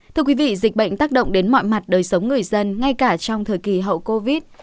thưa quý vị dịch bệnh tác động đến mọi mặt đời sống người dân ngay cả trong thời kỳ hậu covid